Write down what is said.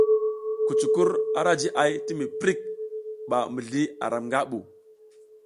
Kucukur ara jiʼay ti mi prik ba mizli aram nga ɓu.